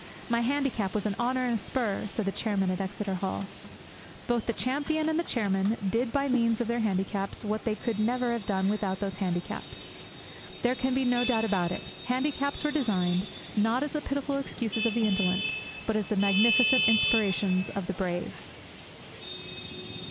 'My handicap was an honour and a spur!' said the chairman at Exeter Hall. Both the champion and the chairman did by means of their handicaps what they could never have done without those handicaps. There can be no doubt about it; handicaps were designed, not as the pitiful excuses of the indolent, but as the magnificent inspirations of the brave.